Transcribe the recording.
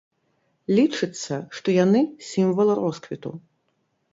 Лічыцца, што яны сімвал росквіту.